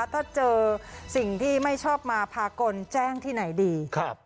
ถ้าเจอสิ่งที่ไม่ชอบมาพากลแจ้งที่ไหนดี